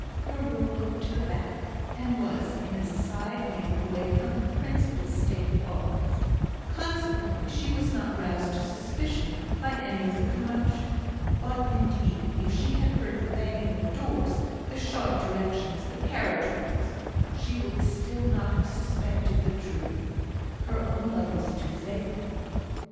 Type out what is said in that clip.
Her room looked to the back, and was in a side wing away from the principal state apartments, consequently she was not roused to suspicion by any of the commotion; but, indeed, if she had heard the banging of doors, the sharp directions, the carriage wheels, she would still not have suspected the truth; her own love was too faithful.